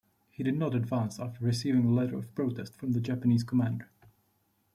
He did not advance after receiving a letter of protest from the Japanese commander.